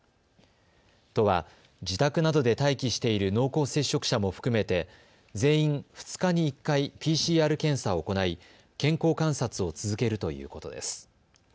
都は自宅などで待機している濃厚接触者も含めて全員２日に１回ＰＣＲ検査を行い健康観察を続けるということです。